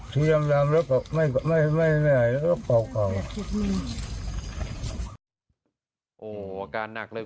สีล้ำแล้วก็ไม่ไม่ไม่ไม่หายแล้วก็เบาอ่ะโอ้อาการหนักเลย